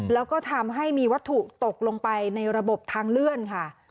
แล้วก็ทำให้มีวัตถุตกลงไปในระบบทางเลื่อนค่ะ